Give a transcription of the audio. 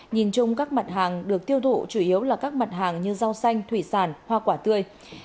nhìn chung các mặt hàng được tiêu thụ chủ yếu là các mặt hàng như rau xanh thủy sản hoa quả tươi